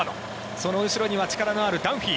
その後ろには力のあるダンフィー。